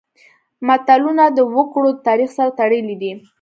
متلونه د وګړو د تاریخ سره تړلي دي